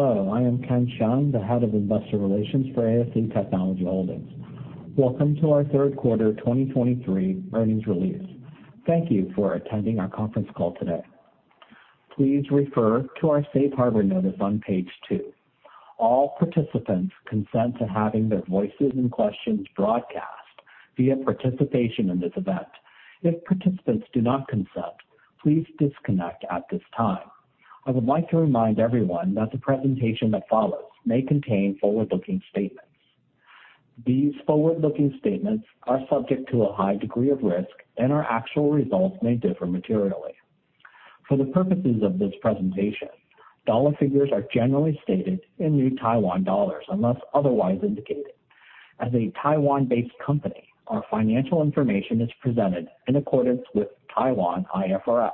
Hello, I am Ken Hsiang, the Head of Investor Relations for ASE Technology Holdings. Welcome to our third quarter 2023 earnings release. Thank you for attending our conference call today. Please refer to our safe harbor notice on page 2. All participants consent to having their voices and questions broadcast via participation in this event. If participants do not consent, please disconnect at this time. I would like to remind everyone that the presentation that follows may contain forward-looking statements. These forward-looking statements are subject to a high degree of risk, and our actual results may differ materially. For the purposes of this presentation, dollar figures are generally stated in New Taiwan dollars, unless otherwise indicated. As a Taiwan-based company, our financial information is presented in accordance with Taiwan IFRS.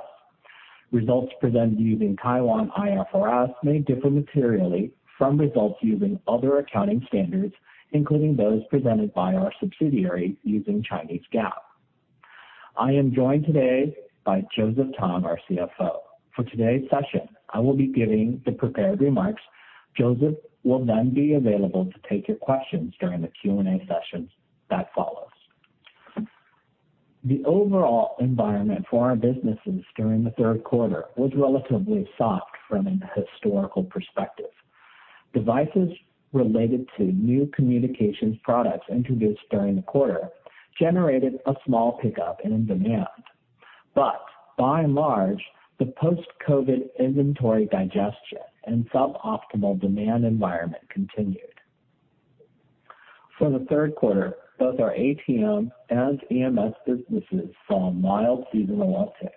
Results presented using Taiwan IFRS may differ materially from results using other accounting standards, including those presented by our subsidiary using Chinese GAAP. I am joined today by Joseph Tung, our CFO. For today's session, I will be giving the prepared remarks. Joseph will then be available to take your questions during the Q&A session that follows. The overall environment for our businesses during the third quarter was relatively soft from a historical perspective. Devices related to new communications products introduced during the quarter generated a small pickup in demand. But by and large, the post-COVID inventory digestion and suboptimal demand environment continued. For the third quarter, both our ATM and EMS businesses saw a mild seasonal uptick.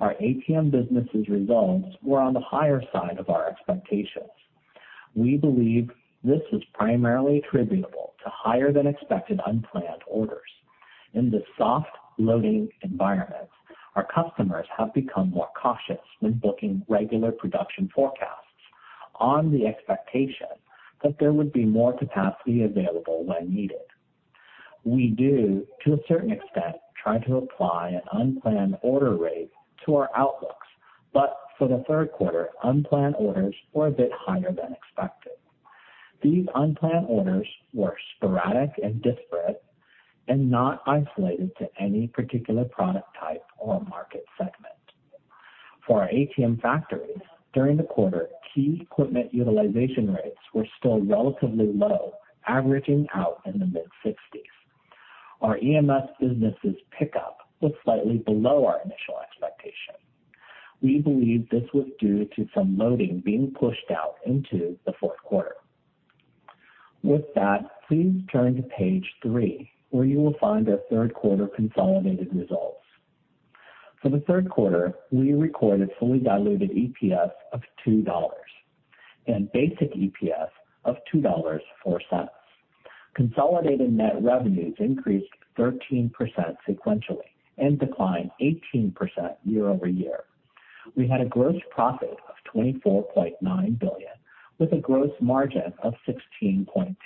Our ATM business's results were on the higher side of our expectations. We believe this is primarily attributable to higher than expected unplanned orders. In this soft loading environment, our customers have become more cautious when booking regular production forecasts on the expectation that there would be more capacity available when needed. We do, to a certain extent, try to apply an unplanned order rate to our outlooks, but for the third quarter, unplanned orders were a bit higher than expected. These unplanned orders were sporadic and disparate, and not isolated to any particular product type or market segment. For ATM factories, during the quarter, key equipment utilization rates were still relatively low, averaging out in the mid-sixties. Our EMS business's pickup was slightly below our initial expectation. We believe this was due to some loading being pushed out into the fourth quarter. With that, please turn to page 3, where you will find our third quarter consolidated results. For the third quarter, we recorded fully diluted EPS of $2 and basic EPS of $2.04. Consolidated net revenues increased 13% sequentially and declined 18% year over year. We had a gross profit of $24.9 billion, with a gross margin of 16.2%.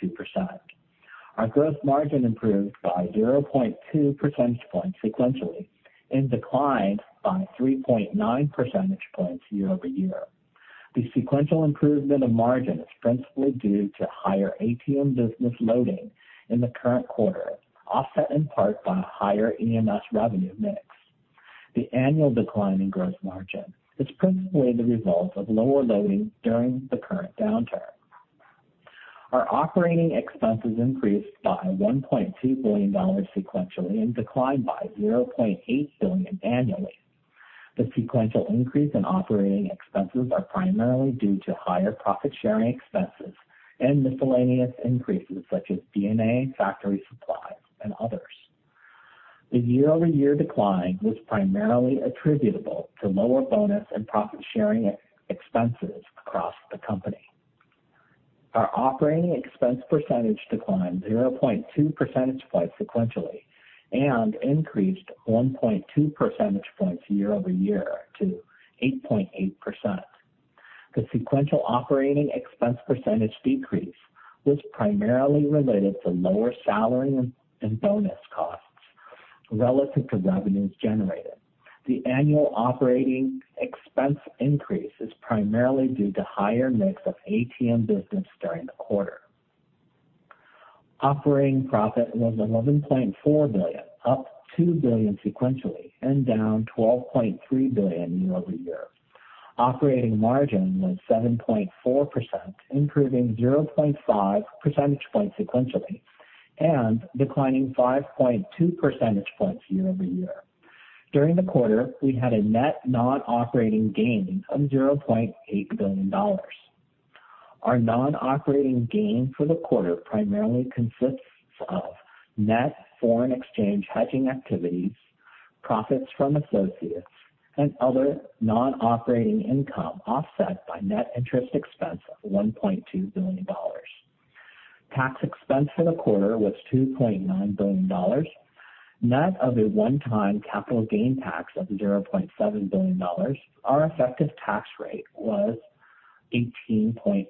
Our gross margin improved by 0.2 percentage points sequentially and declined by 3.9 percentage points year over year. The sequential improvement in margin is principally due to higher ATM business loading in the current quarter, offset in part by higher EMS revenue mix. The annual decline in gross margin is principally the result of lower loading during the current downturn. Our operating expenses increased by $1.2 billion sequentially and declined by $0.8 billion annually. The sequential increase in operating expenses are primarily due to higher profit-sharing expenses and miscellaneous increases, such as D&A, factory supplies, and others. The year-over-year decline was primarily attributable to lower bonus and profit-sharing expenses across the company. Our operating expense percentage declined 0.2 percentage points sequentially and increased 1.2 percentage points year over year to 8.8%. The sequential operating expense percentage decrease was primarily related to lower salary and bonus costs relative to revenues generated. The annual operating expense increase is primarily due to higher mix of ATM business during the quarter. Operating profit was NT$11.4 billion, up NT$2 billion sequentially, and down NT$12.3 billion year over year. Operating margin was 7.4%, improving 0.5 percentage points sequentially and declining 5.2 percentage points year over year. During the quarter, we had a net non-operating gain of NT$ 0.8 billion. Our non-operating gain for the quarter primarily consists of net foreign exchange hedging activities, profits from associates, and other non-operating income, offset by net interest expense of NT$ 1.2 billion. Tax expense for the quarter was NT$ 2.9 billion, net of a one-time capital gain tax of NT$ 0.7 billion. Our effective tax rate was 18.1%.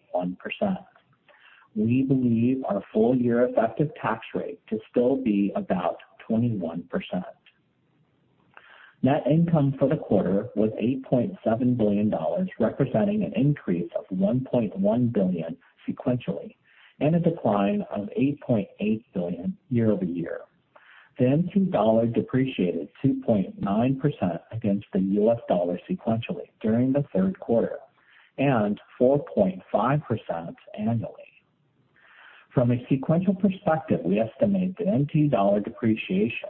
We believe our full-year effective tax rate to still be about 21%.Net income for the quarter was NT$ 8.7 billion, representing an increase of NT$ 1.1 billion sequentially, and a decline of NT$ 8.8 billion year over year. The NT dollar depreciated 2.9% against the US dollar sequentially during the third quarter, and 4.5% annually. From a sequential perspective, we estimate the NT dollar depreciation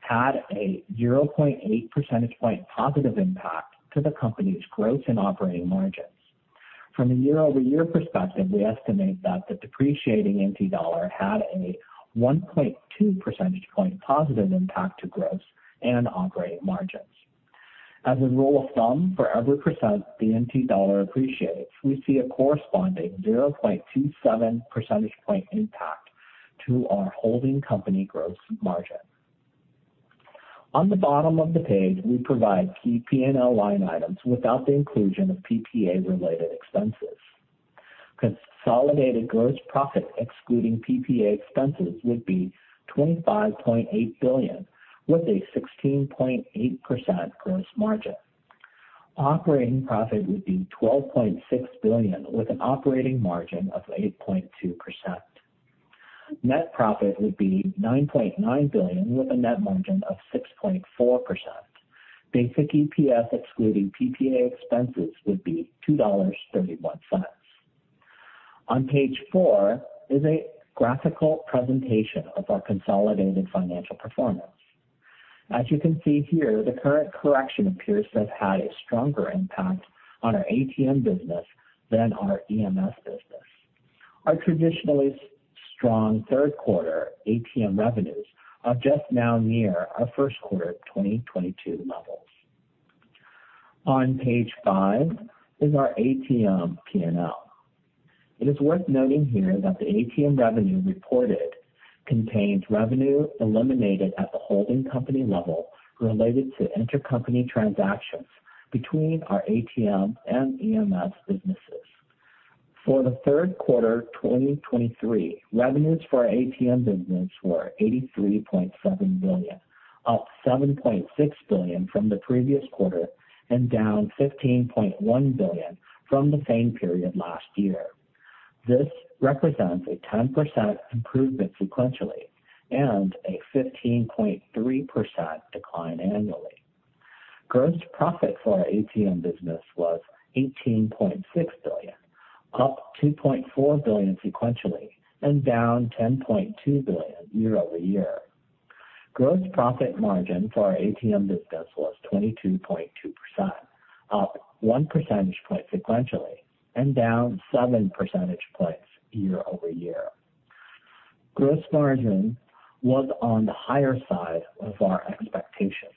had a 0.8 percentage point positive impact to the company's growth and operating margins. From a year-over-year perspective, we estimate that the depreciating NT dollar had a 1.2 percentage point positive impact to growth and operating margins. As a rule of thumb, for every percent the NT dollar appreciates, we see a corresponding 0.27 percentage point impact to our holding company growth margin. On the bottom of the page, we provide key P&L line items without the inclusion of PPA-related expenses. Consolidated gross profit, excluding PPA expenses, would be NT$ 25.8 billion, with a 16.8% gross margin. Operating profit would be NT$ 12.6 billion, with an operating margin of 8.2%. Net profit would be NT$ 9.9 billion, with a net margin of 6.4%. Basic EPS, excluding PPA expenses, would be $2.31. On page 4 is a graphical presentation of our consolidated financial performance. As you can see here, the current correction appears to have had a stronger impact on our ATM business than our EMS business. Our traditionally strong third quarter ATM revenues are just now near our first quarter 2022 levels. On page 5 is our ATM P&L. It is worth noting here that the ATM revenue reported contains revenue eliminated at the holding company level related to intercompany transactions between our ATM and EMS businesses. For the third quarter 2023, revenues for our ATM business were NT$ 83.7 billion, up NT$ 7.6 billion from the previous quarter, and down NT$ 15.1 billion from the same period last year. This represents a 10% improvement sequentially, and a 15.3% decline annually. Gross profit for our ATM business was NT$ 18.6 billion, up NT$ 2.4 billion sequentially, and down NT$ 10.2 billion year-over-year. Gross profit margin for our ATM business was 22.2%, up one percentage point sequentially, and down seven percentage points year-over-year. Gross margin was on the higher side of our expectations.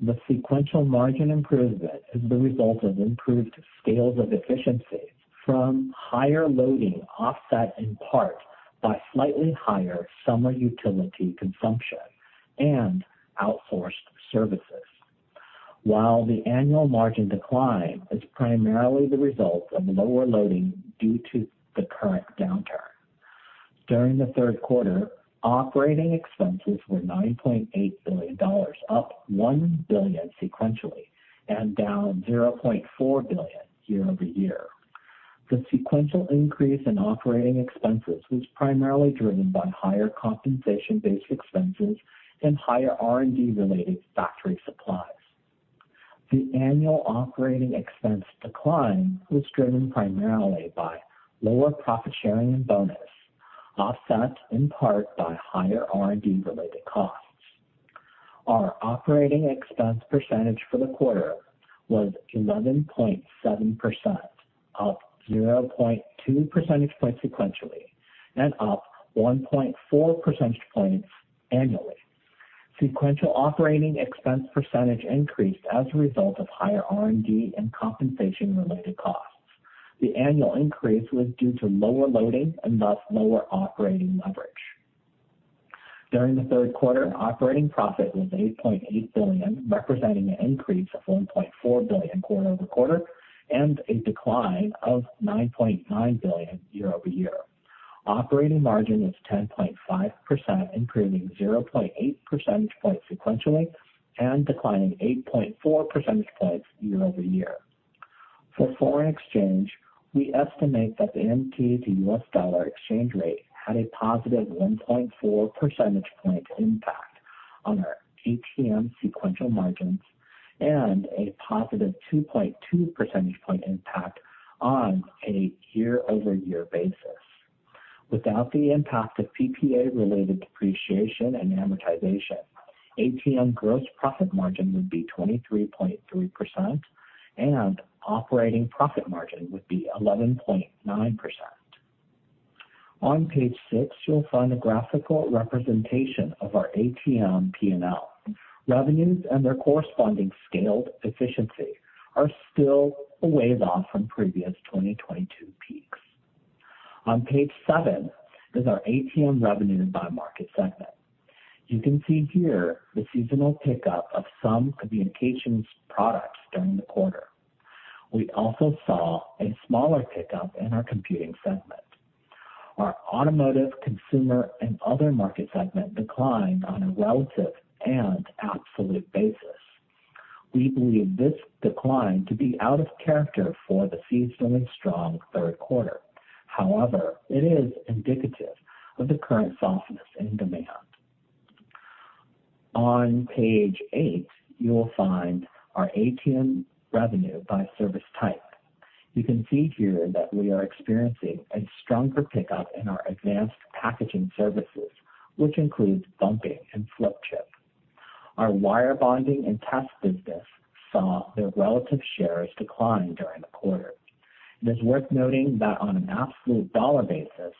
The sequential margin improvement is the result of improved scales of efficiency from higher loading, offset in part by slightly higher summer utility consumption and outsourced services. While the annual margin decline is primarily the result of lower loading due to the current downturn. During the third quarter, operating expenses were $9.8 billion, up $1 billion sequentially, and down $0.4 billion year-over-year. The sequential increase in operating expenses was primarily driven by higher compensation-based expenses and higher R&D-related factory supplies. The annual operating expense decline was driven primarily by lower profit sharing and bonus, offset in part by higher R&D-related costs. Our operating expense percentage for the quarter was 11.7%, up 0.2 percentage points sequentially, and up 1.4 percentage points annually. Sequential operating expense percentage increased as a result of higher R&D and compensation-related costs. The annual increase was due to lower loading and thus lower operating leverage. During the third quarter, operating profit was NT$8.8 billion, representing an increase of NT$1.4 billion quarter-over-quarter, and a decline of NT$9.9 billion year-over-year. Operating margin was 10.5%, improving 0.8 percentage points sequentially, and declining 8.4 percentage points year-over-year. For foreign exchange, we estimate that the NT to US dollar exchange rate had a positive 1.4 percentage point impact on our ATM sequential margins and a positive 2.2 percentage point impact on a year-over-year basis. Without the impact of PPA-related depreciation and amortization, ATM gross profit margin would be 23.3%, and operating profit margin would be 11.9%. On page 6, you'll find a graphical representation of our ATM P&L. Revenues and their corresponding scaled efficiency are still a ways off from previous 2022 peaks. On page 7 is our ATM revenue by market segment. You can see here the seasonal pickup of some communications products during the quarter. We also saw a smaller pickup in our computing segment. Our automotive, consumer, and other market segment declined on a relative and absolute basis. We believe this decline to be out of character for the seasonally strong third quarter. However, it is indicative of the current softness in demand. On page 8, you will find our ATM revenue by service type. You can see here that we are experiencing a stronger pickup in our advanced packaging services, which includes bumping and flip chip. Our wire bonding and test business saw their relative shares decline during the quarter. It is worth noting that on an absolute dollar basis,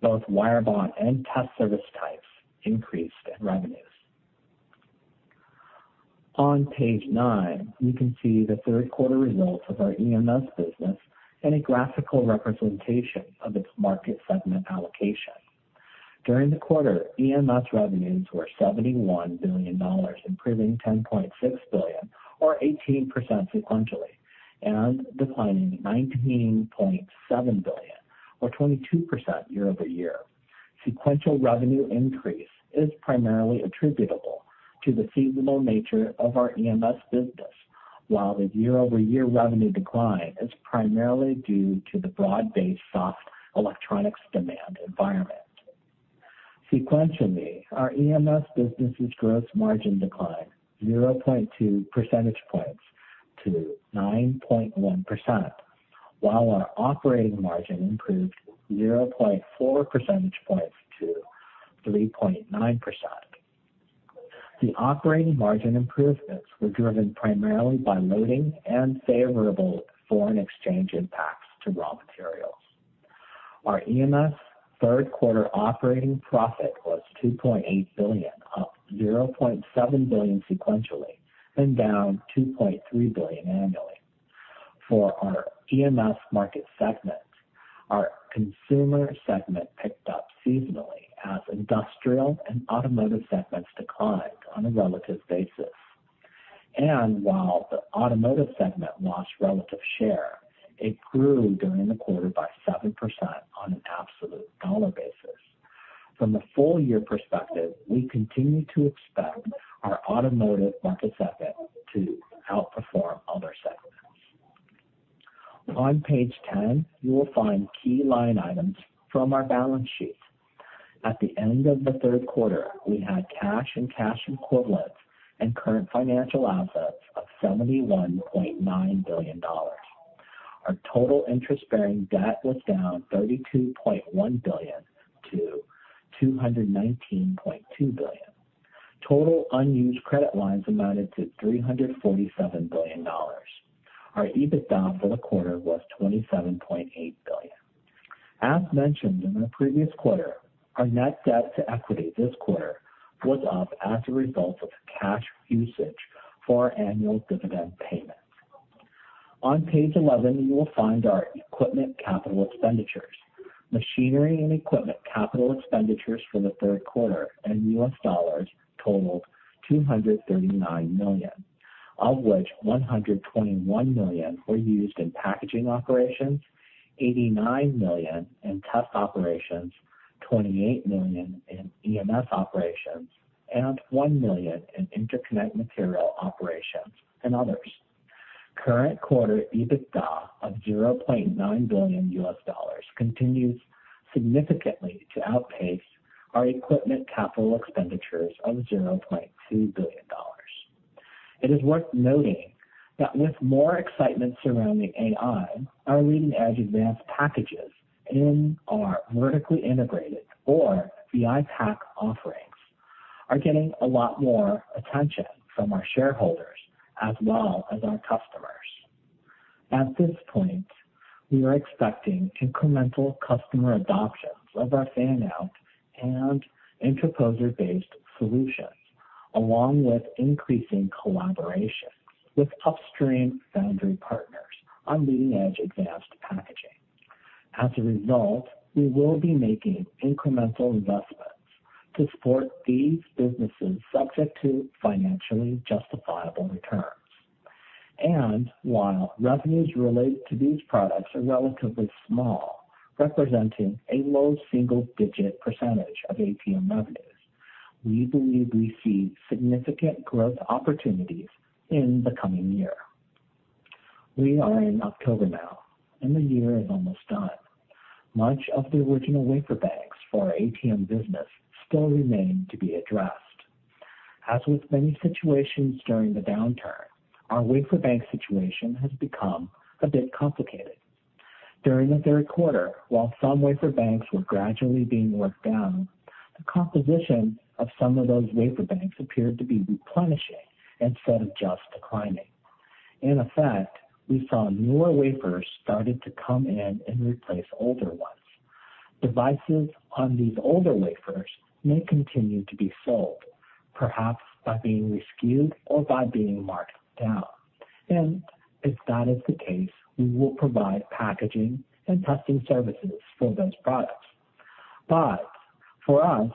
both wire bond and test service types increased in revenues. On page nine, you can see the third quarter results of our EMS business and a graphical representation of its market segment allocation. During the quarter, EMS revenues were NT$ 71 billion, improving NT$ 10.6 billion or 18% sequentially, and declining NT$ 19.7 billion or 22% year-over-year. Sequential revenue increase is primarily attributable to the seasonal nature of our EMS business, while the year-over-year revenue decline is primarily due to the broad-based soft electronics demand environment. Sequentially, our EMS business's gross margin declined 0.2 percentage points to 9.1%, while our operating margin improved 0.4 percentage points to 3.9%. The operating margin improvements were driven primarily by loading and favorable foreign exchange impacts to raw materials. Our EMS third quarter operating profit was NT$ 2.8 billion, up NT$ 0.7 billion sequentially, and down NT$ 2.3 billion annually. For our EMS market segment, our consumer segment picked up seasonally as industrial and automotive segments declined on a relative basis. And while the automotive segment lost relative share, it grew during the quarter by 7% on an absolute dollar basis. From the full year perspective, we continue to expect our automotive market segment to outperform other segments. On page 10, you will find key line items from our balance sheet. At the end of the third quarter, we had cash and cash equivalents and current financial assets of NT$ 71.9 billion. Our total interest-bearing debt was down NT$32.1 billion to NT$219.2 billion. Total unused credit lines amounted to $347 billion. Our EBITDA for the quarter was NT$27.8 billion. As mentioned in the previous quarter, our net debt to equity this quarter was up as a result of cash usage for our annual dividend payment. On page 11, you will find our equipment capital expenditures. Machinery and equipment capital expenditures for the third quarter in US dollars totaled $239 million, of which $121 million were used in packaging operations, $89 million in test operations, $28 million in EMS operations, and $1 million in interconnect material operations and others. Current quarter EBITDA of $0.9 billion continues significantly to outpace our equipment capital expenditures of $0.2 billion. It is worth noting that with more excitement surrounding AI, our leading-edge advanced packages in our vertically integrated or VIPack offerings are getting a lot more attention from our shareholders as well as our customers. At this point, we are expecting incremental customer adoption of our fan-out and interposer-based solutions, along with increasing collaboration with upstream foundry partners on leading-edge advanced packaging. As a result, we will be making incremental investments to support these businesses, subject to financially justifiable returns. And while revenues related to these products are relatively small, representing a low single-digit % of ATM revenues, we believe we see significant growth opportunities in the coming year. We are in October now, and the year is almost done. Much of the original wafer banks for our ATM business still remain to be addressed. As with many situations during the downturn, our wafer bank situation has become a bit complicated. During the third quarter, while some wafer banks were gradually being worked down, the composition of some of those wafer banks appeared to be replenishing instead of just declining. In effect, we saw newer wafers started to come in and replace older ones. Devices on these older wafers may continue to be sold, perhaps by being reskewed or by being marked down. And if that is the case, we will provide packaging and testing services for those products. But for us,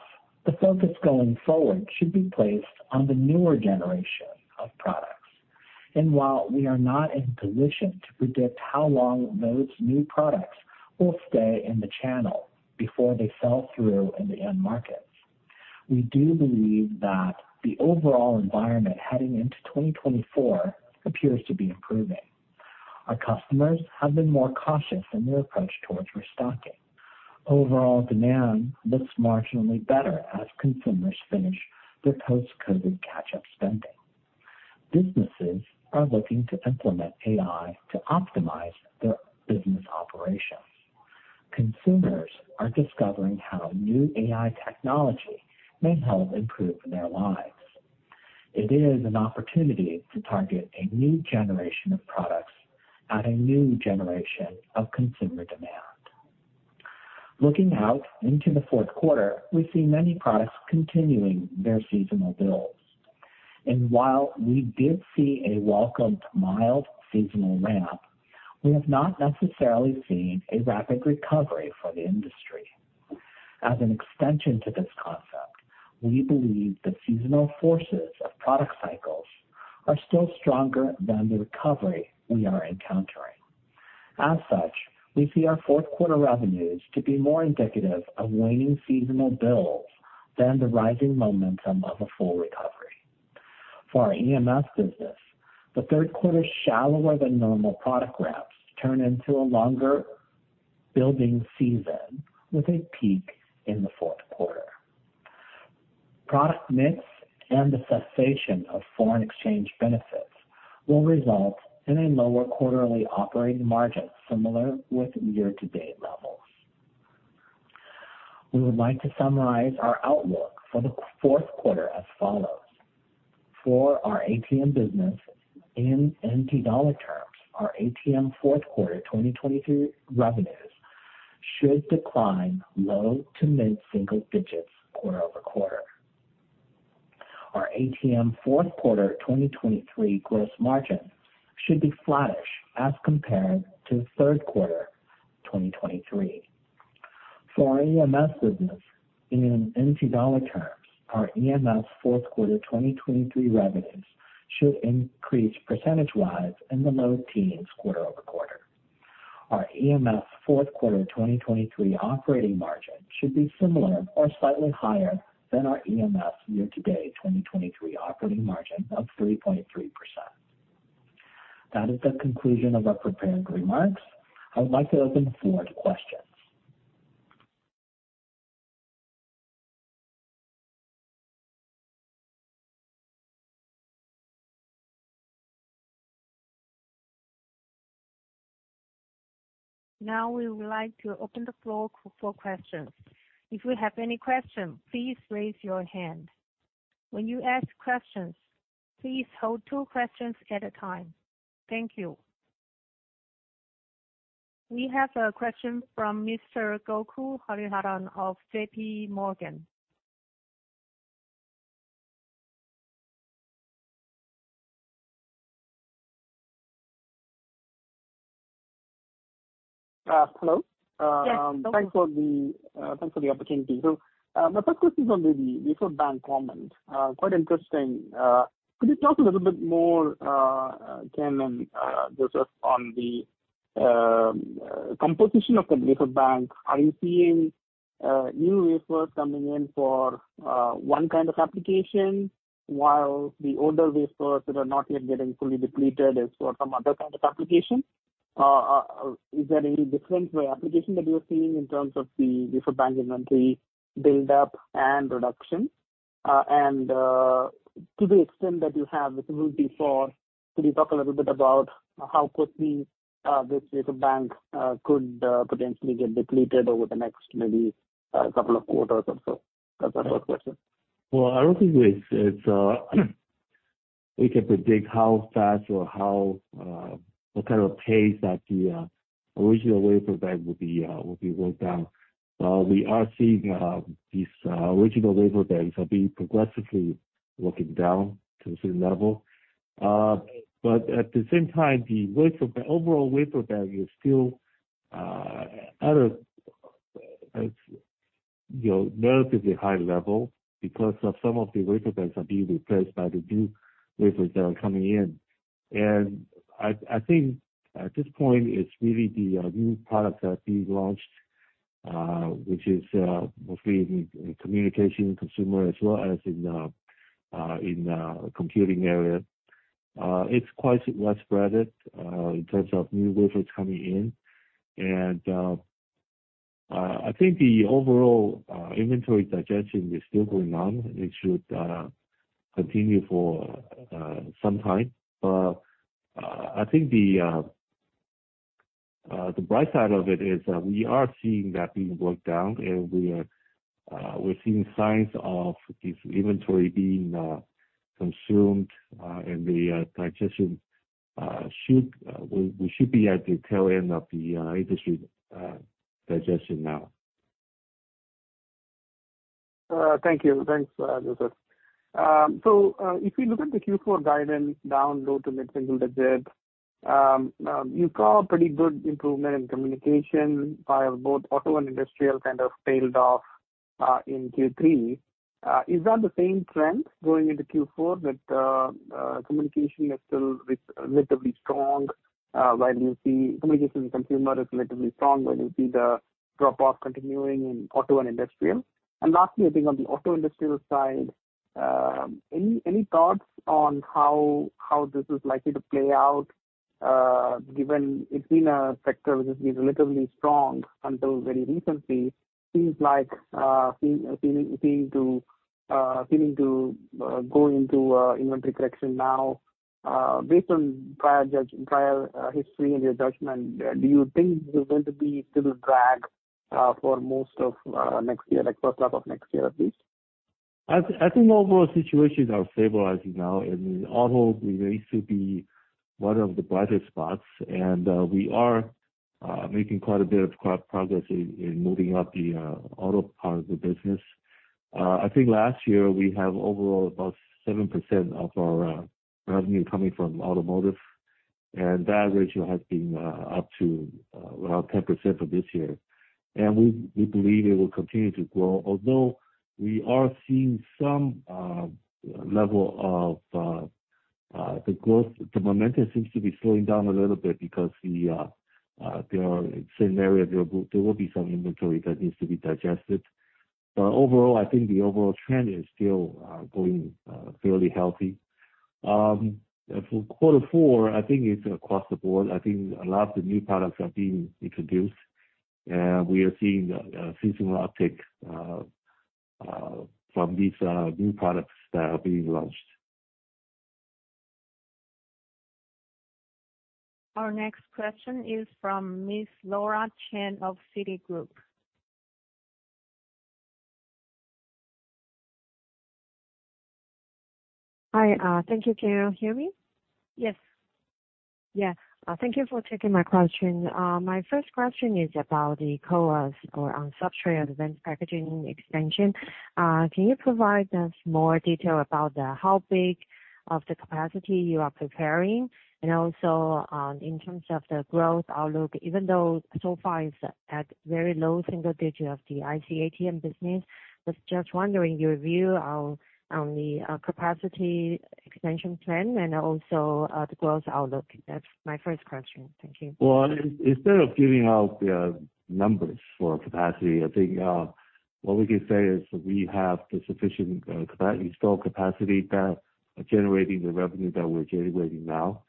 the focus going forward should be placed on the newer generation of products. And while we are not in position to predict how long those new products will stay in the channel before they sell through in the end markets, we do believe that the overall environment heading into 2024 appears to be improving. Our customers have been more cautious in their approach towards restocking. Overall demand looks marginally better as consumers finish their post-COVID catch-up spending. Businesses are looking to implement AI to optimize their business operations. Consumers are discovering how new AI technology may help improve their lives. It is an opportunity to target a new generation of products at a new generation of consumer demand. Looking out into the fourth quarter, we see many products continuing their seasonal builds. And while we did see a welcomed, mild seasonal ramp, we have not necessarily seen a rapid recovery for the industry. As an extension to this concept, we believe the seasonal forces of product cycles are still stronger than the recovery we are encountering. As such, we see our fourth quarter revenues to be more indicative of waning seasonal builds than the rising momentum of a full recovery. For our EMS business, the third quarter shallower than normal product ramps turn into a longer building season, with a peak in the fourth quarter. Product mix and the cessation of foreign exchange benefits will result in a lower quarterly operating margin, similar with year-to-date levels. We would like to summarize our outlook for the fourth quarter as follows: For our ATM business, in NT-dollar terms, our ATM fourth quarter 2023 revenues should decline low to mid single digits quarter-over-quarter. Our ATM fourth quarter 2023 gross margin should be flattish as compared to the third quarter 2023. For our EMS business, in NT dollar terms, our EMS fourth quarter 2023 revenues should increase percentage-wise in the low teens quarter-over-quarter. Our EMS fourth quarter 2023 operating margin should be similar or slightly higher than our EMS year-to-date 2023 operating margin of 3.3%. That is the conclusion of our prepared remarks. I would like to open the floor to questions. Now, we would like to open the floor for questions. If you have any questions, please raise your hand. When you ask questions, please hold two questions at a time. Thank you. We have a question from Mr. Gokul Hariharan of J.P. Morgan. Uh, hello. Yes. Thanks for the opportunity. So, my first question on the Wafer Bank comment, quite interesting. Could you talk a little bit more, Ken and Joseph, on the composition of the Wafer Bank? Are you seeing new wafers coming in for one kind of application, while the older wafers that are not yet getting fully depleted is for some other kind of application? Is there any different application that you're seeing in terms of the Wafer Bank inventory buildup and reduction? To the extent that you have visibility for, could you talk a little bit about how quickly this Wafer Bank could potentially get depleted over the next maybe couple of quarters or so? That's my first question. Well, I don't think we can predict how fast or how what kind of pace that the original wafer bank will be worked down. We are seeing these original wafer banks are being progressively working down to a certain level. But at the same time, the wafer, the overall wafer bank is still at a relatively high level because of some of the wafer banks are being replaced by the new wafers that are coming in. I think at this point, it's really the new products that are being launched, which is mostly in communication, consumer, as well as in computing area. It's quite widespread in terms of new wafers coming in. I think the overall inventory digestion is still going on. It should continue for some time. But I think the bright side of it is that we are seeing that being worked down, and we're seeing signs of this inventory being consumed, and the digestion, we should be at the tail end of the industry digestion now. Thank you. Thanks, Joseph. So, if we look at the Q4 guidance down low to mid-single digit. You saw a pretty good improvement in communication by both auto and industrial kind of tailed off in Q3. Is that the same trend going into Q4, that communication is still relatively strong, while you see communication consumer is relatively strong, while you see the drop-off continuing in auto and industrial? Lastly, I think on the auto industrial side, any thoughts on how this is likely to play out, given it's been a sector which has been relatively strong until very recently, seems like seeming to go into inventory correction now. Based on prior history and your judgment, do you think this is going to be still a drag for most of next year, like first half of next year, at least? I think overall situations are stabilizing now, and auto seems to be one of the best spots, and we are making quite a bit of progress in moving up the auto part of the business. I think last year we have overall about 7% of our revenue coming from automotive, and that ratio has been up to around 10% for this year. And we believe it will continue to grow, although we are seeing some level of the growth, the momentum seems to be slowing down a little bit because there are same area, there will be some inventory that needs to be digested. But overall, I think the overall trend is still going fairly healthy. For quarter 4, I think it's across the board. I think a lot of the new products are being introduced, and we are seeing a seasonal uptick from these new products that are being launched. Our next question is from Miss Laura Chen of Citigroup. Hi, thank you. Can you hear me? Yes. Yeah. Thank you for taking my question. My first question is about the CoWoS on substrate advanced packaging extension. Can you provide us more detail about the, how big of the capacity you are preparing? Also, in terms of the growth outlook, even though so far it's at very low single digit of the IC ATM business. I was just wondering your view on the capacity expansion plan and also the growth outlook. That's my first question. Thank you. Well, instead of giving out the numbers for capacity, I think what we can say is we have the sufficient capacity, install capacity that are generating the revenue that we're generating now.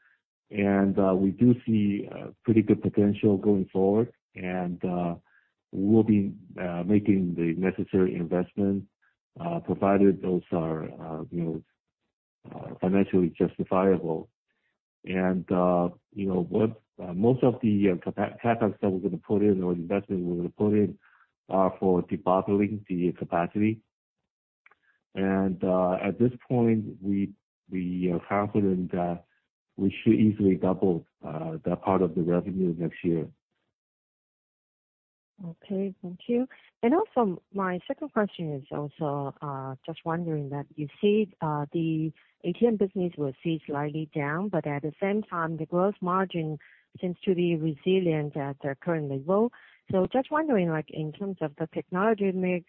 We do see pretty good potential going forward, and we'll be making the necessary investments provided those are, financially justifiable. And what? Most of the cap that we're gonna put in, or investment we're gonna put in, are for debottlenecking the capacity. And at this point, we are confident that we should easily double that part of the revenue next year. Okay, thank you. Also, my second question is also just wondering that you said the ATM business will see slightly down, but at the same time, the growth margin seems to be resilient at their current level. So just wondering, like in terms of the technology mix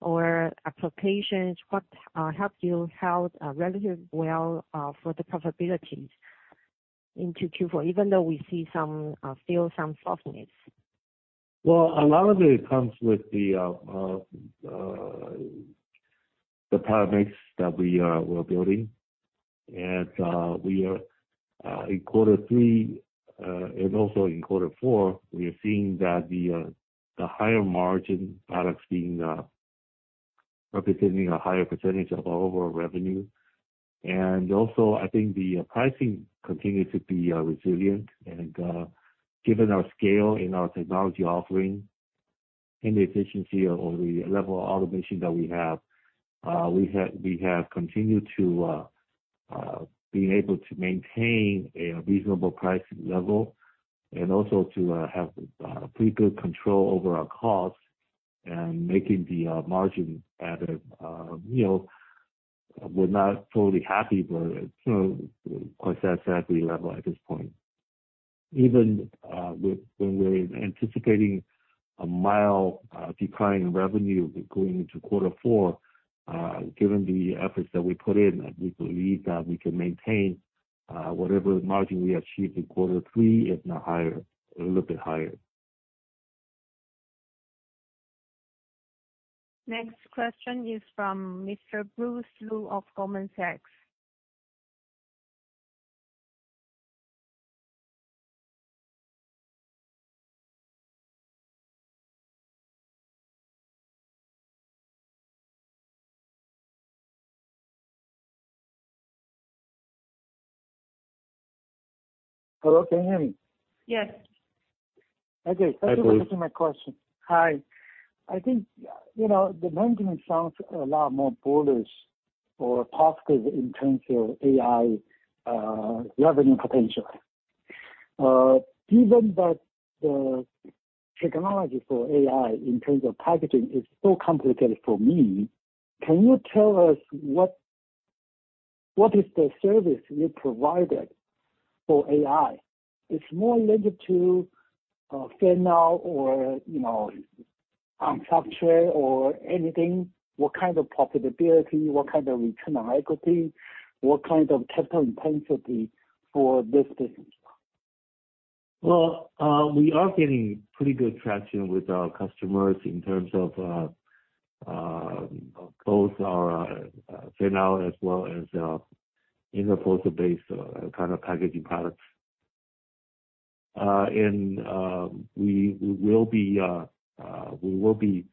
or applications, what helped you held relatively well for the profitability into Q4, even though we see some feel some softness? Well, a lot of it comes with the product mix that we're building. And we are in quarter three and also in quarter four, we are seeing that the higher margin products being representing a higher percentage of our overall revenue. And also, I think the pricing continued to be resilient. Given our scale and our technology offering, and the efficiency or the level of automation that we have, we have continued to being able to maintain a reasonable pricing level and also to have pretty good control over our costs and making the margin at a, we're not totally happy, but quite satisfied level at this point. Even when we're anticipating a mild decline in revenue going into quarter 4, given the efforts that we put in, we believe that we can maintain whatever margin we achieved in quarter 3, if not higher, a little bit higher. Next question is from Mr. Bruce Lu of Goldman Sachs. Hello, can you hear me? Yes. Okay. Hi, Bruce. Thank you for taking my question. Hi. I think, the management sounds a lot more bullish or positive in terms of AI revenue potential. Given that technology for AI in terms of packaging is so complicated for me. Can you tell us what, what is the service you provided for AI? It's more related to fan-out or, structure or anything, what kind of profitability, what kind of return on equity, what kind of capital intensity for this business? Well, we are getting pretty good traction with our customers in terms of both our fan-out as well as interposer-based kind of packaging products. We will be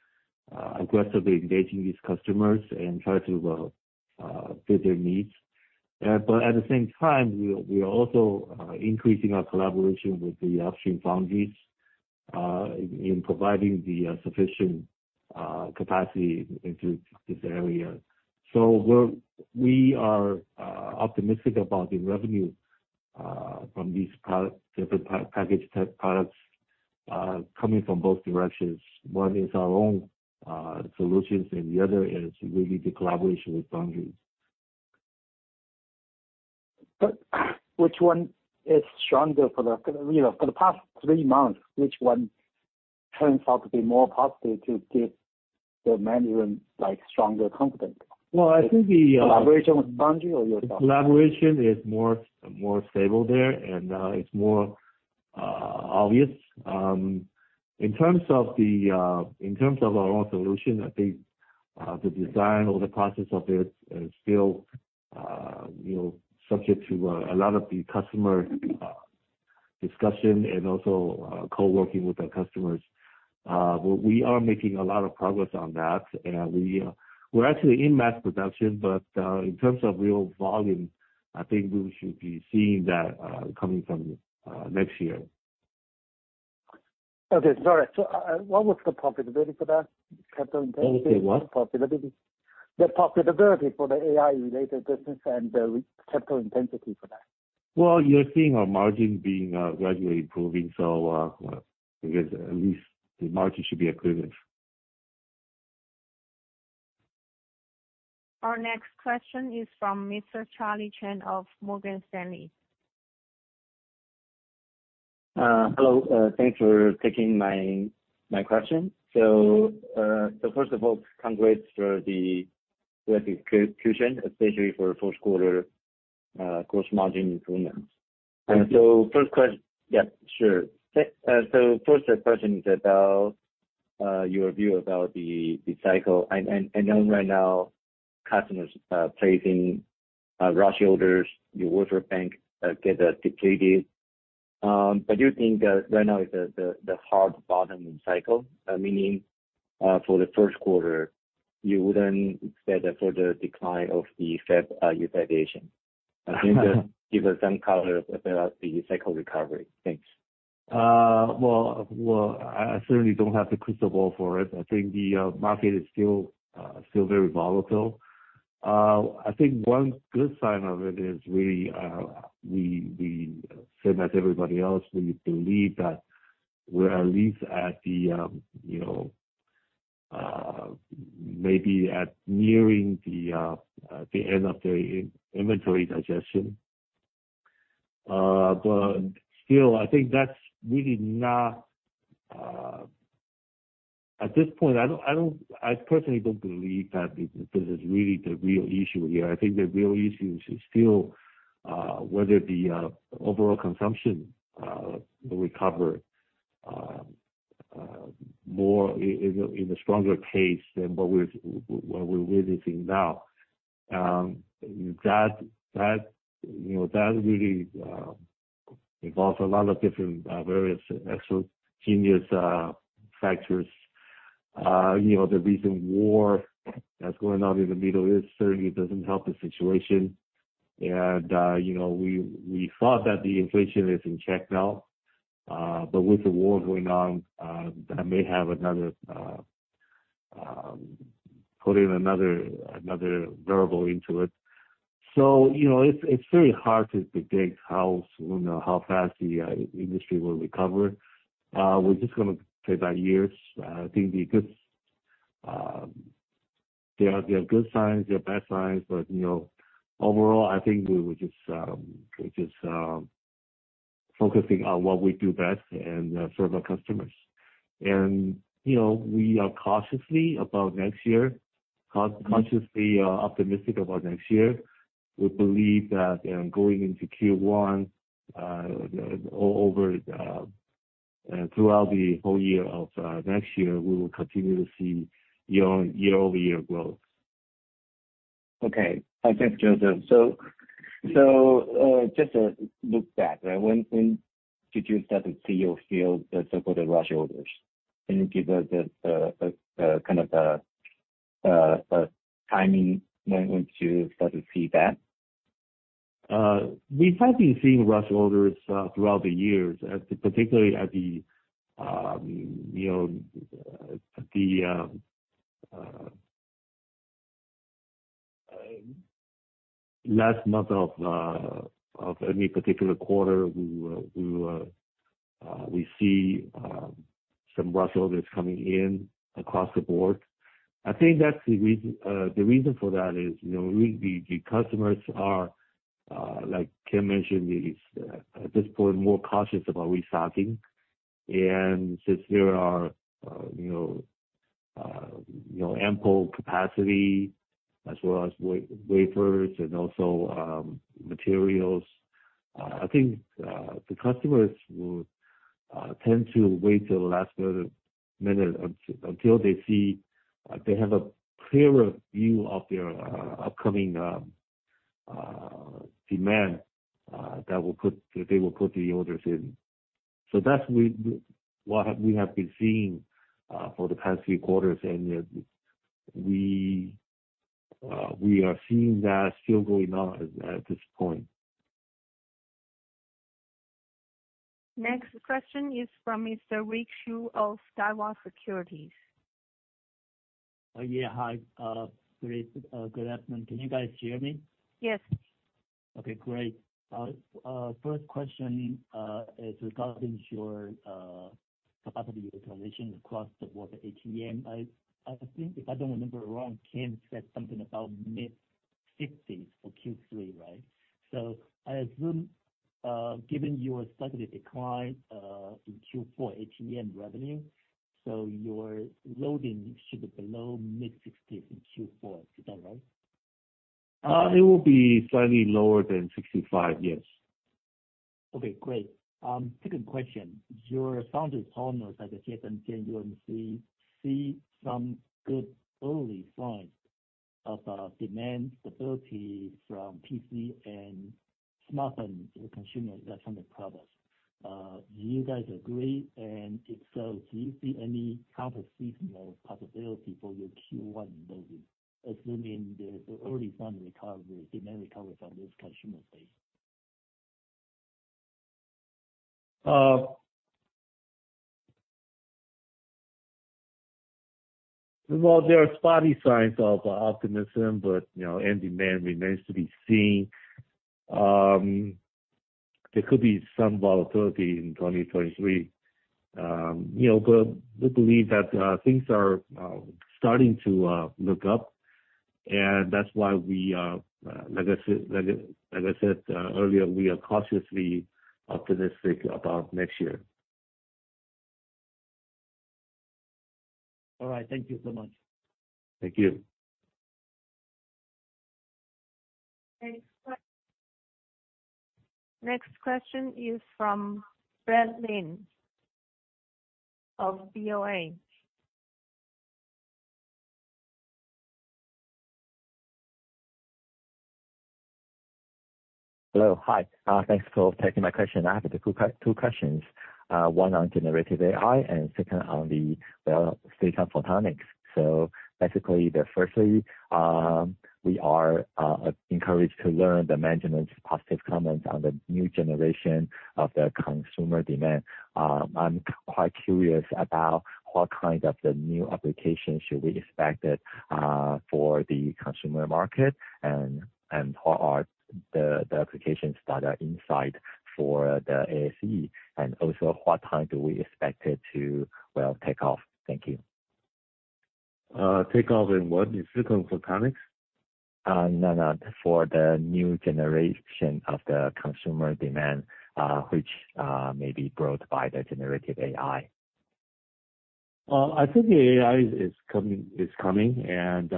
aggressively engaging these customers and try to fit their needs. But at the same time, we are also increasing our collaboration with the upstream foundries in providing the sufficient capacity into this area. So we are optimistic about the revenue from these different package type products coming from both directions. One is our own solutions, and the other is really the collaboration with foundries. But which one is stronger for the for the past 3 months, which one turns out to be more positive to give the management, like, stronger confidence? Well, I think the, Collaboration with foundry or your. Collaboration is more stable there, and it's more obvious. In terms of our own solution, I think the design or the process of it is still, subject to a lot of customer discussion and also co-working with our customers. But we are making a lot of progress on that, and we're actually in mass production, but in terms of real volume, I think we should be seeing that coming from next year. Okay, sorry. So, what was the profitability for that, capital intensity? Say what? Profitability. The profitability for the AI-related business and the capital intensity for that. Well, you're seeing our margin being gradually improving, so I guess at least the margin should be equivalent. Our next question is from Mr. Charlie Chen of Morgan Stanley. Hello, thanks for taking my question. So, first of all, congrats for the good execution, especially for 4th quarter, gross margin improvement. Thank you. And so first, yeah, sure. So first, the question is about your view about the cycle. And then now, customers placing rush orders, your order bank get depleted. But do you think now is the hard bottoming cycle, meaning for the first quarter, you wouldn't expect further decline of the fab utilization? Then just give us some color about the cycle recovery. Thanks. Well, I certainly don't have the crystal ball for it. I think the market is still still very volatile. I think one good sign of it is we same as everybody else, we believe that we're at least at the, maybe at nearing the the end of the inventory digestion. But still, I think that's really not. At this point, I don't, I personally don't believe that this is really the real issue here. I think the real issue is still whether the overall consumption will recover more in a stronger pace than what we're what we're really seeing now. That really involves a lot of different various exogenous factors. the recent war that's going on in the Middle East certainly doesn't help the situation. We thought that the inflation is in check now, but with the war going on, that may put another variable into it. So, it's very hard to predict how, how fast the industry will recover. We're just gonna take that years. I think there are good signs, there are bad signs, but, overall, I think we would just, we just focusing on what we do best and serve our customers. And, we are cautiously optimistic about next year. We believe that, going into Q1, throughout the whole year of next year, we will continue to see year-over-year growth. Okay. Thanks, Joseph. So, just to look back,? When did you start to see or feel the so-called rush orders? Can you give us the kind of the timing, when to start to see that? We have been seeing rush orders throughout the years, as particularly at the, the last month of any particular quarter, we see some rush that's coming in across the board. I think that's the reason, the reason for that is, the customers are, like Ken mentioned, is at this point, more cautious about restocking. Since there are, ample capacity as well as wafers and also materials, I think the customers will tend to wait till the last minute until they see they have a clearer view of their upcoming demand, they will put the orders in. So that's what we have been seeing for the past few quarters, and we are seeing that still going on at this point. Next question is from Mr. Rick Hsu of Daiwa Securities. Yeah, hi. Great, good afternoon. Can you guys hear me? Yes. Okay, great. First question is regarding your capacity utilization across the board, ATM. I think, if I don't remember wrong, Kim said something about mid-sixties for Q3,? So I assume, given your slightly decline in Q4 ATM revenue, so your loading should be below mid-sixties in Q4. Is that? It will be slightly lower than 65, yes. Okay, great. Second question. Your foundry partners, like TSMC, UMC, see some good early signs of demand stability from PC and smartphone consumer electronic products. Do you guys agree? Do you see any counterseasonal possibility for your Q1 loading, assuming the early sign recovery, demand recovery from this consumer base? Well, there are spotty signs of optimism, but, end demand remains to be seen. There could be some volatility in 2023. but we believe that things are starting to look up, and that's why we, like I said, like, like I said, earlier, we are cautiously optimistic about next year. All. Thank you so much. Thank you. Thanks. Next question is from Brad Lin of Bank of America. Hello. Hi. Thanks for taking my question. I have two questions, one on generative AI, and second on the silicon photonics. So basically, firstly, we are encouraged to learn the management's positive comments on the new generation of the consumer demand. I'm quite curious about what kind of the new application should we expect for the consumer market, and what are the applications that are in sight for the ASE? And also, what time do we expect it to, well, take off? Thank you. Take off in what? In silicon photonics? No, no, for the new generation of the consumer demand, which may be brought by the generative AI. I think the AI is coming, and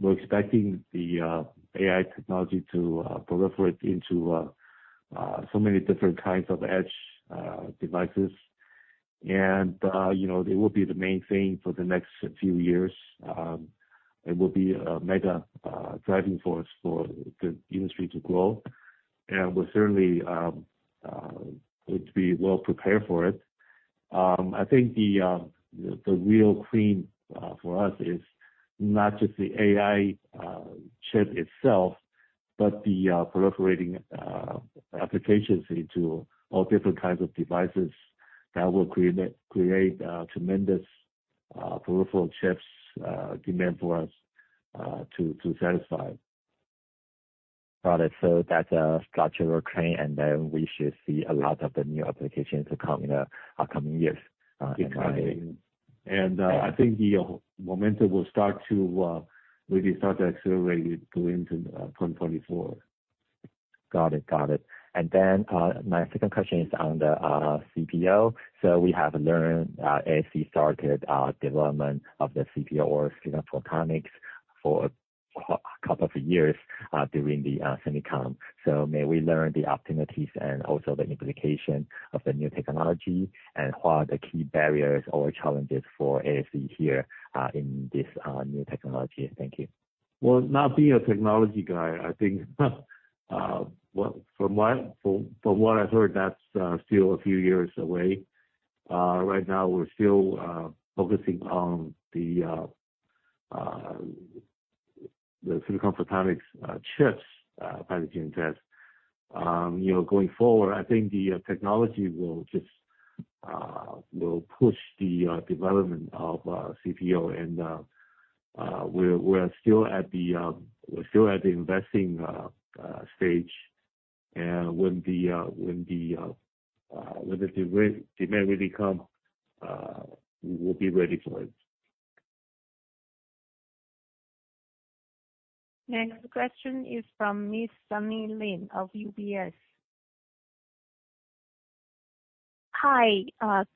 we’re expecting the AI technology to proliferate into so many different kinds of edge devices. They will be the main thing for the next few years. It will be a mega driving force for the industry to grow, and we're certainly to be well prepared for it. I think the real cream for us is not just the AI chip itself, but the proliferating applications into all different kinds of devices that will create tremendous peripheral chips demand for us to satisfy. Got it. So that's a structural trend, and then we should see a lot of the new applications to come in the upcoming years, in AI? I think the momentum will start to really start to accelerate going to 2024. Got it. Got it. And then, my second question is on the CPO. So we have learned, ASE started development of the CPO or Silicon Photonics for a couple of years, during the SEMICON. So may we learn the opportunities and also the implication of the new technology, and what are the key barriers or challenges for ASE here, in this new technology? Thank you. Well, not being a technology guy, I think, well, from what I've heard, that's still a few years away. Right now we're still focusing on the Silicon Photonics chips packaging test. going forward, I think the technology will push the development of CPO, and we're still at the investing stage. And when the demand really come, we will be ready for it. Next question is from Miss Sunny Lin of UBS. Hi,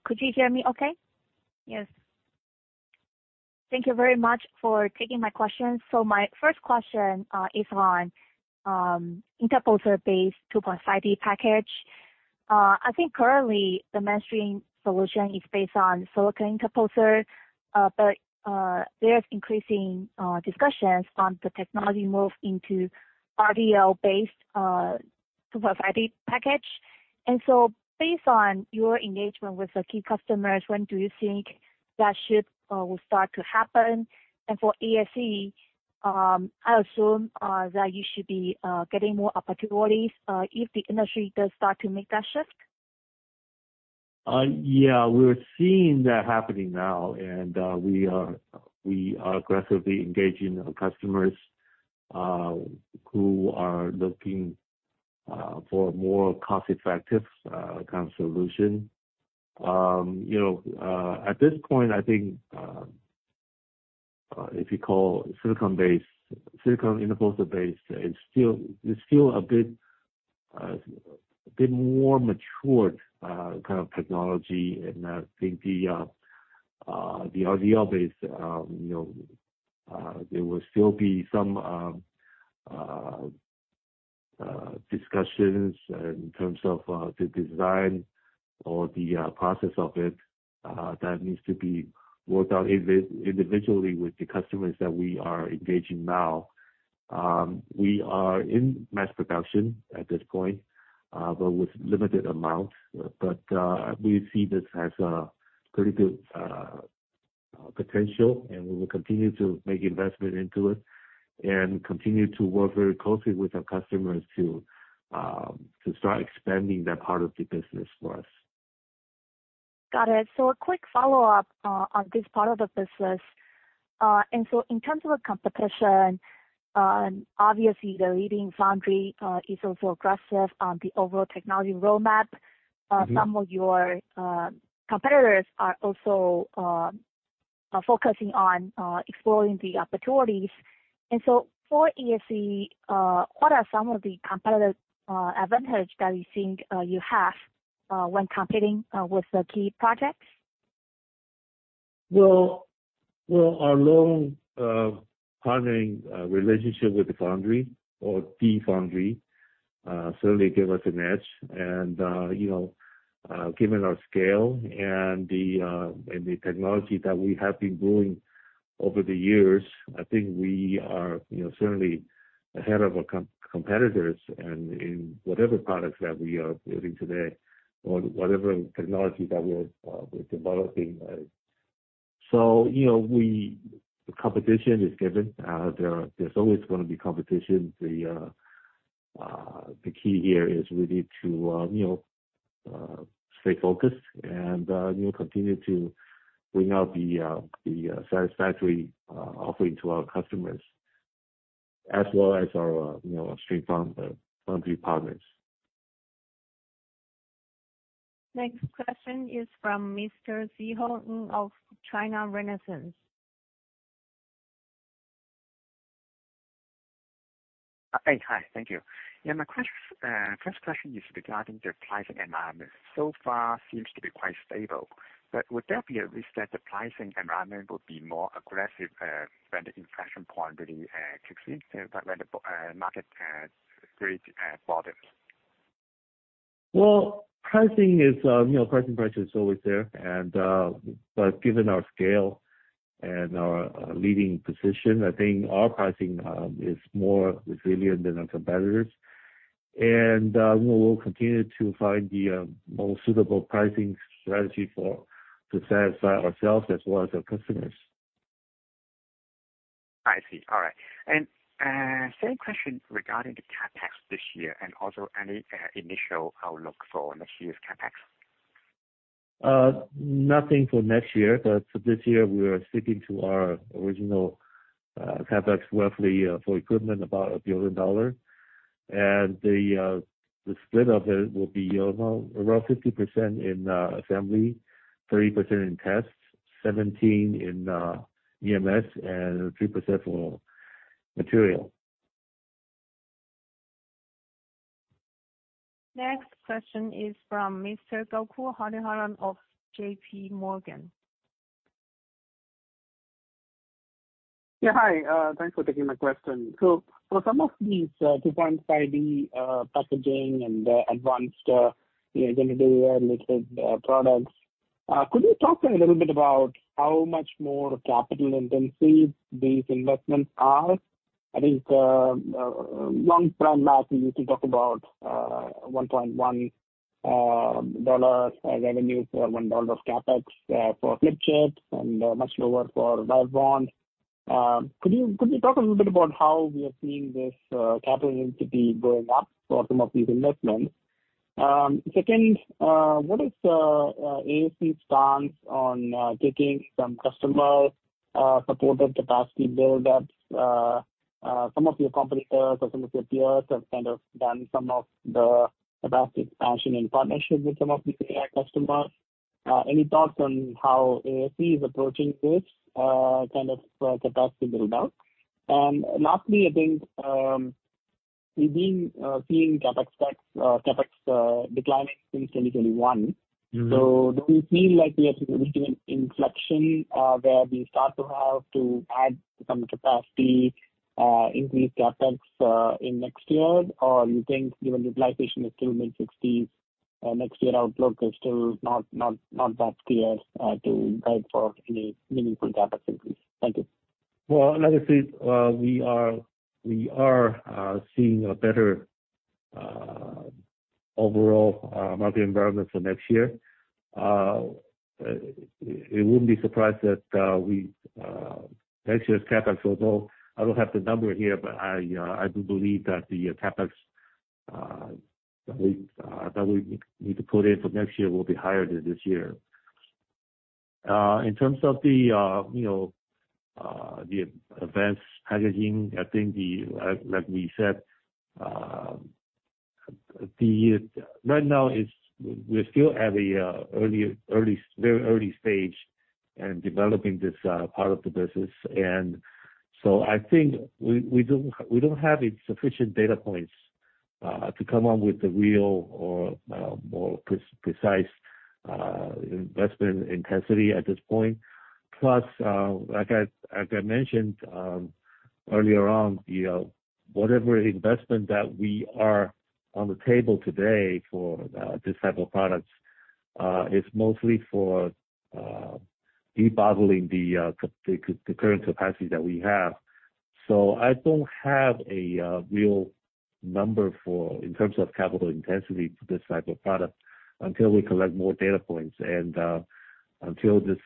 could you hear me okay? Yes. Thank you very much for taking my question. So my first question is on interposer-based 2.5D package. I think currently the mainstream solution is based on silicon interposer. But there's increasing discussions on the technology move into RDL-based 2.5D package. And so based on your engagement with the key customers, when do you think that shift will start to happen? For ASE, I assume that you should be getting more opportunities if the industry does start to make that shift? Yeah, we're seeing that happening now, and we are aggressively engaging our customers who are looking for a more cost-effective kind of solution. at this point, I think if you call silicon-based, silicon interposer-based, it's still a bit more matured kind of technology. And I think the RDL-based, there will still be some discussions in terms of the design or the process of it that needs to be worked out individually with the customers that we are engaging now. We are in mass production at this point, but with limited amounts. But we see this has a pretty good potential, and we will continue to make investment into it, and continue to work very closely with our customers to start expanding that part of the business for us. Got it. So a quick follow-up on this part of the business. And so in terms of the competition, and obviously the leading foundry is also aggressive on the overall technology roadmap. Some of your competitors are also focusing on exploring the opportunities. And so for ASE, what are some of the competitive advantage that you think you have when competing with the key projects? Well, our long partnering relationship with the foundry certainly give us an edge. Given our scale and the technology that we have been building over the years, I think we are, certainly ahead of our competitors, and in whatever products that we are building today, or whatever technology that we're developing. So, the competition is given. There's always gonna be competition. The key here is really to stay focused and continue to bring out the satisfactory offering to our customers, as well as our strong foundry partners. Next question is from Mr. Szeho Ng of China Renaissance. Hi. Thank you. Yeah, my first question is regarding the pricing environment. So far, seems to be quite stable, but would there be a risk that the pricing environment will be more aggressive, when the inflation point really kicks in, when the market really bottoms? Well, pricing is, pricing pressure is always there. But given our scale and our leading position, I think our pricing is more resilient than our competitors. We will continue to find the most suitable pricing strategy for to satisfy ourselves as well as our customers. I see, All. Same question regarding the CapEx this year, and also any, initial outlook for next year's CapEx. Nothing for next year, but for this year, we are sticking to our original CapEx roughly for equipment, about $1 billion. And the split of it will be around 50% in assembly, 30% in tests, 17% in EMS, and 3% for material. Next question is from Mr. Gokul Hariharan of J.P. Morgan. hi, thanks for taking my question. So for some of these 2.5D packaging and advanced identity related products, could you talk a little bit about how much more capital intensive these investments are? I think long term back, we used to talk about 1.1 dollar revenue for $1 of CapEx for flip chip and much lower for wire bond. Could you talk a little bit about how we are seeing this capital intensity going up for some of these investments? Second, what is ASE's stance on taking some customer supported capacity build-ups? Some of your competitors or some of your peers have kind of done some of the capacity expansion in partnership with some of the AI customers. Any thoughts on how ASE is approaching this kind of capacity build-out? Lastly, I think we've been seeing CapEx spend, CapEx declining since 2021. So do you feel like we are reaching an inflection where we start to have to add some capacity, increase CapEx, in next year? Or you think given utilization is still mid-60s, next year outlook is still not that clear, to guide for any meaningful capacity? Thank you. Well, like I said, we are seeing a better overall market environment for next year. It wouldn't be surprised that next year's CapEx although I don't have the number here, but I do believe that the CapEx that we need to put in for next year will be higher than this year. In terms of the, the advanced packaging, I think the, like we said, now we're still at the very early stage in developing this part of the business. And so I think we don't have sufficient data points to come up with the real or more precise investment intensity at this point. Plus, like I mentioned, earlier on, whatever investment that we are on the table today for, this type of products, is mostly for, debottlenecking the, the current capacity that we have. So I don't have a, real number for, in terms of capital intensity for this type of product until we collect more data points, and, until this,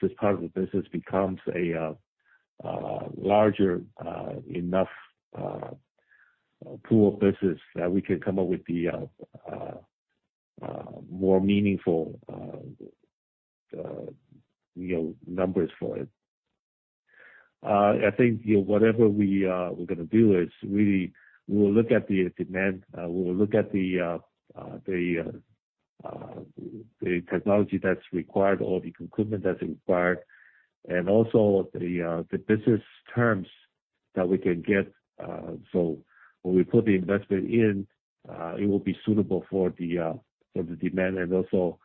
this part of the business becomes a, larger, enough, pool of business that we can come up with the, more meaningful, numbers for it. I think, whatever we, we're gonna do is we will look at the demand, we will look at the, the technology that's required or the equipment that's required, and also the, the business terms that we can get, so when we put the investment in, it will be suitable for the, for the demand and also,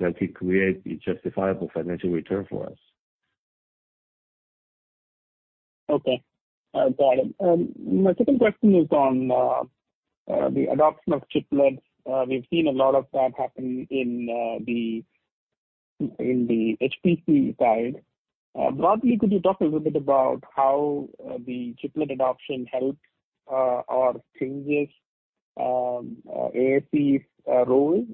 that it create a justifiable financial return for us. Okay. Got it. My second question is on the adoption of chiplets. We've seen a lot of that happen in the HPC side. Broadly, could you talk a little bit about how the chiplet adoption helped or changes ASE's role,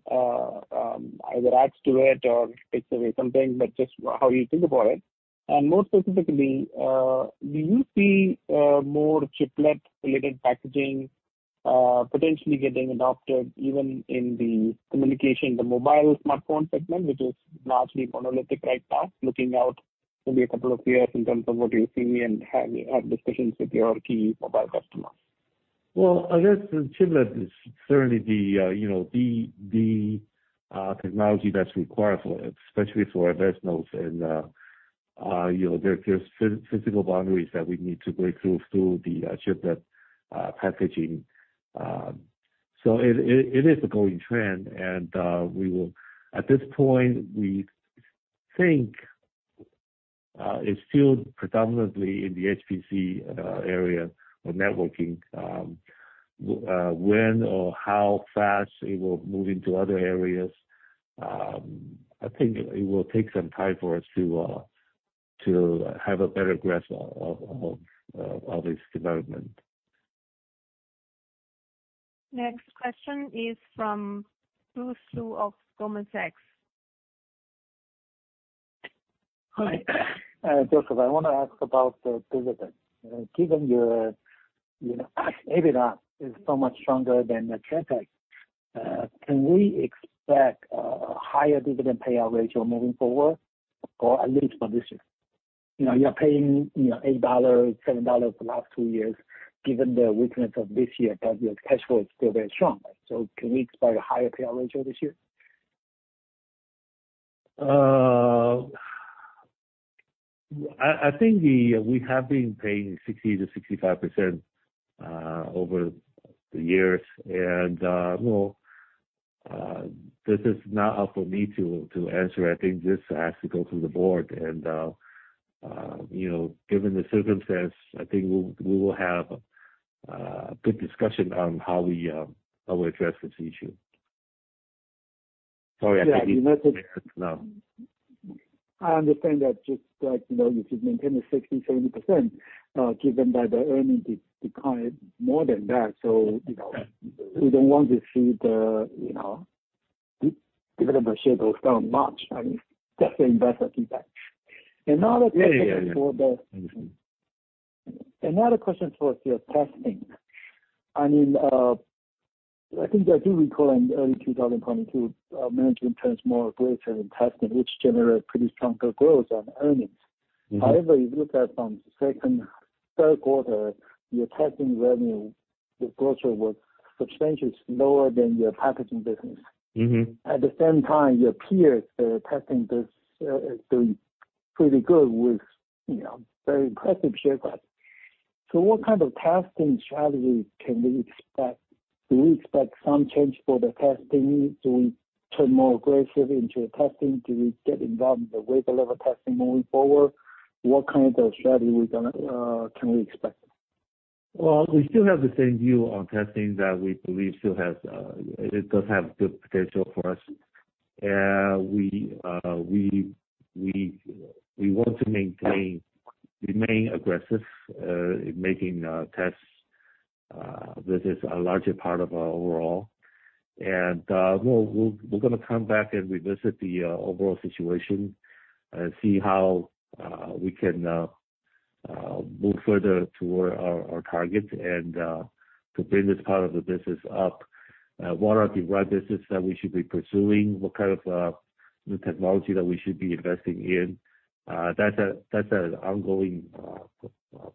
either adds to it or takes away something, but just how you think about it? And more specifically, do you see more chiplet-related packaging potentially getting adopted even in the communication, the mobile smartphone segment, which is largely monolithic now, looking out maybe a couple of years in terms of what you see and have discussions with your key mobile customers? Well, I guess the chiplet is certainly the, the, the, technology that's required for it, especially for advanced nodes. There, there's physical boundaries that we need to break through, through the, chiplet packaging. So it is a growing trend, and, we will, at this point, we think, it's still predominantly in the HPC area or networking. When or how fast it will move into other areas, I think it will take some time for us to, to have a better grasp of, this development. Next question is from Bruce Lu of Goldman Sachs. Hi, Joseph, I wanna ask about the dividend. Given your, EBITDA is so much stronger than the CapEx, can we expect a higher dividend payout ratio moving forward, or at least for this year? you're paying, NT$ 8, NT$ 7 for the last two years, given the weakness of this year, but your cash flow is still very strong. So can we expect a higher payout ratio this year? I think we have been paying 60%-65% over the years. Well, this is not up for me to answer. I think this has to go through the board. given the circumstance, I think we will have a good discussion on how we address this issue. Sorry, I think you- Yeah, I understand that. Just like, you should maintain the 60%-70%, given that the earnings declined more than that. we don't want to see the dividend per share goes down much, I mean, that's the investor feedback. Another question for the another question for your testing. I mean, I think I do recall in early 2022, management turns more aggressive in testing, which generate pretty stronger growth on earnings. However, you look at from second, third quarter, your testing revenue, your growth was substantially lower than your packaging business. At the same time, your peers, their testing is doing pretty good, with, very impressive share price. So what kind of testing strategy can we expect? Do we expect some change for the testing? Do we turn more aggressive into the testing? Do we get involved in the wafer level testing moving forward? What kind of strategy we gonna can we expect? Well, we still have the same view on testing that we believe still has, it does have good potential for us. We want to remain aggressive in making testing a larger part of our overall. We're gonna come back and revisit the overall situation, see how we can move further toward our target and to bring this part of the business up. What are the business that we should be pursuing? What kind of new technology that we should be investing in? That's an ongoing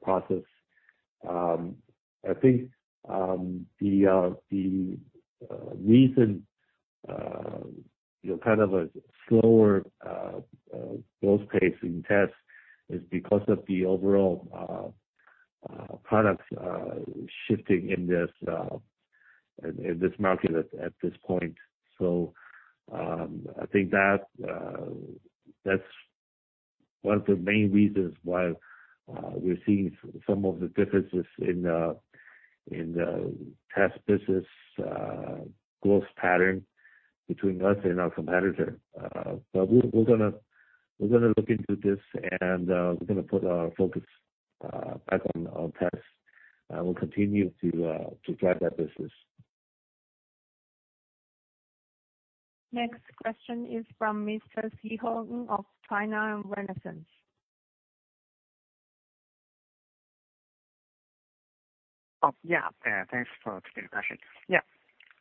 process. I think the reason, kind of a slower growth pace in tests is because of the overall products shifting in this, in this market at this point. So, I think that that's one of the main reasons why we're seeing some of the differences in the test business growth pattern between us and our competitor. But we're gonna, we're gonna look into this, and we're gonna put our focus back on our tests, and we'll continue to drive that business. Next question is from Mr. Szeho Ng of China Renaissance. Oh, yeah. Thanks for taking the question.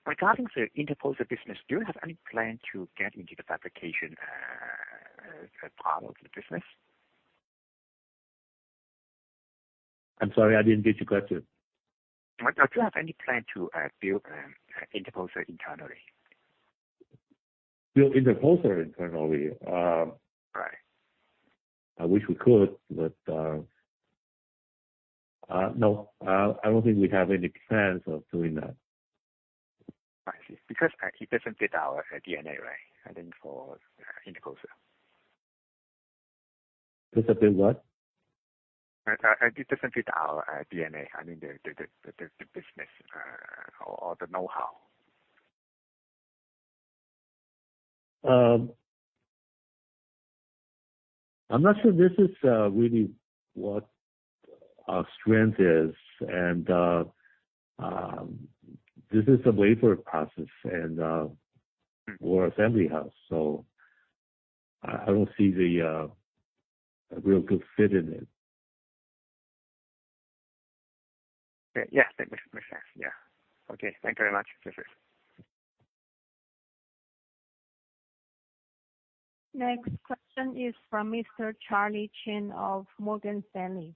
Regarding the interposer business, do you have any plan to get into the fabrication part of the business? I'm sorry, I didn't get your question. Do you have any plan to build interposer internally? Build interposer internally? I wish we could, but no, I don't think we have any plans of doing that. I see, because it doesn't fit our DNA,? I think for interposer. Doesn't fit what? It doesn't fit our DNA, I mean, the business or the know-how. I'm not sure this is really what our strength is, and this is a wafer process and or assembly house, so I, I don't see a real good fit in it. Yes, that makes sense. Yeah. Okay, thank you very much. Next question is from Mr. Charlie Chen of Morgan Stanley.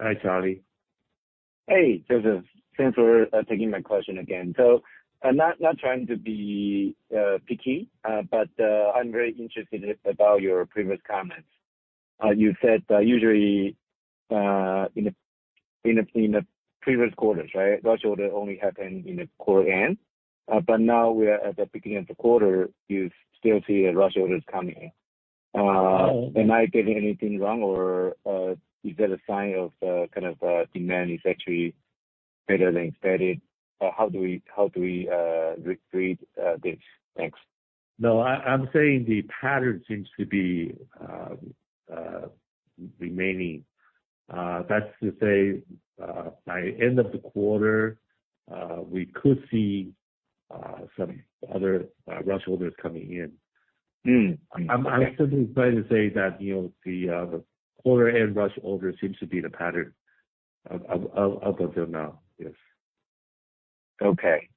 Hi, Charlie. Hey, Joseph. Thanks for taking my question again. So I'm not trying to be picky, but I'm very interested about your previous comments. You said that usually in the previous quarters,? Rush order only happened in the quarter end, but now we are at the beginning of the quarter, you still see rush orders coming in. Am I getting anything wrong, or is that a sign of kind of demand is actually better than expected? How do we read this? Thanks. No, I, I'm saying the pattern seems to be remaining. That's to say, by end of the quarter, we could see some other rush orders coming in. I'm simply trying to say that, the quarter end rush order seems to be the pattern of up until now. Yes. Okay,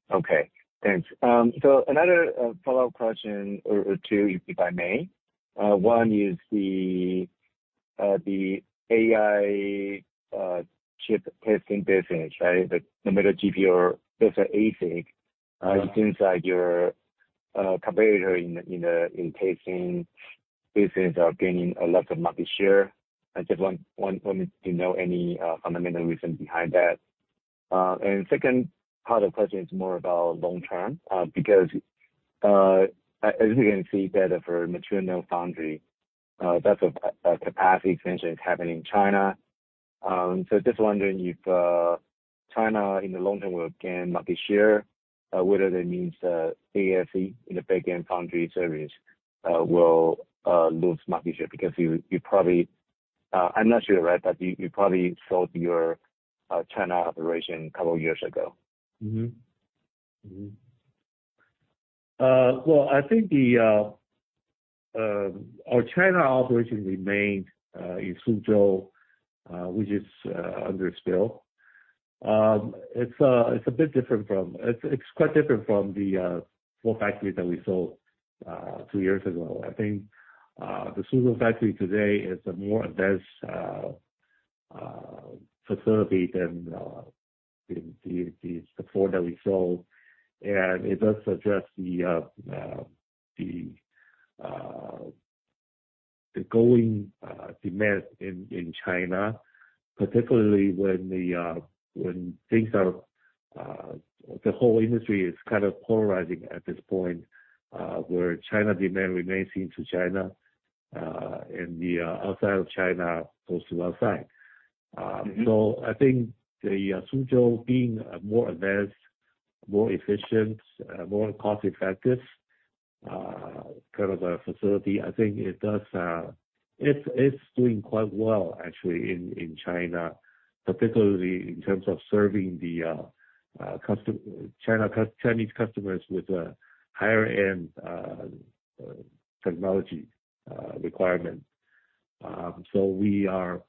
Thanks. So another follow-up question or two, if I may. One is the AI chip testing business,? No matter GPU versus ASIC, it seems like your competitor in the testing business are gaining a lot of market share. I just want to know any fundamental reasons behind that. And second part of the question is more about long term, because as we can see data for mature node foundry, that's a capacity expansion is happening in China. So just wondering if China in the long term will gain market share, whether that means ASE in the back-end foundry service will lose market share, because you probably- I'm not sure,, but you probably sold your China operation a couple years ago. Well, I think our China operation remains in Suzhou, which is under SPIL. It's a bit different from. It's quite different from the four factories that we sold two years ago. I think the Suzhou factory today is a more advanced facility than the four that we sold. And it does suggest the going demand in China, particularly when things are, the whole industry is kind of polarizing at this point, where China demand remains in to China, and the outside of China goes to outside. So I think the Suzhou being more advanced, more efficient, more cost-effective, kind of a facility, I think it does, it's doing quite well, actually, in China, particularly in terms of serving the Chinese customers with a higher-end technology requirement. So we are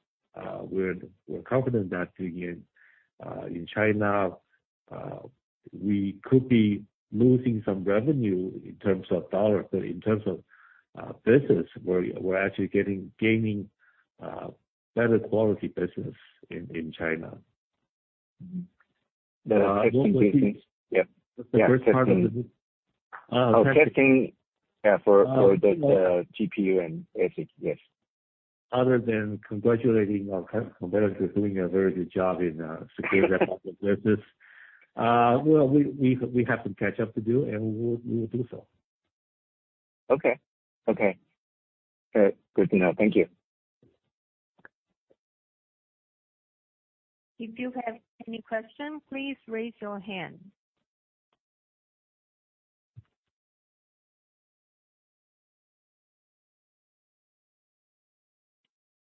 confident that in China, we could be losing some revenue in terms of dollar, but in terms of business, we're actually gaining better quality business in China. The first part of the- Oh, testing, yeah, for the GPU and ASIC. Yes. Other than congratulating our competitors doing a very good job in securing that business, well, we have some catch up to do, and we will do so. Okay. Okay. All, good to know. Thank you. If you have any questions, please raise your hand.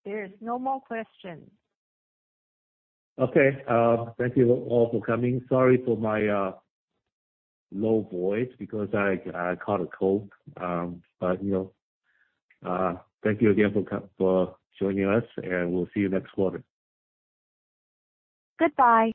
There are no more questions. Okay, thank you all for coming. Sorry for my low voice, because I caught a cold. But, thank you again for joining us, and we'll see you next quarter. Goodbye.